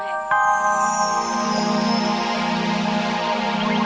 aku mau tidur